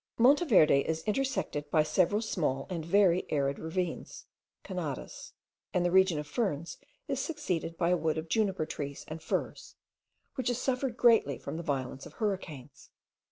Monte Verde is intersected by several small and very arid ravines (canadas), and the region of ferns is succeeded by a wood of juniper trees and firs, which has suffered greatly from the violence of hurricanes.